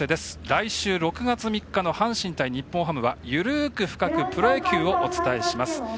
来週６月３日の阪神対日本ハムは「ゆるく深く！プロ野球」をお伝えします。